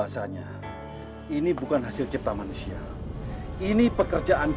tentang bagaimana manusia menjaga keamanan